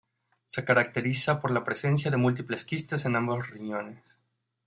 Se caracteriza por la presencia de múltiples quistes en ambos riñones.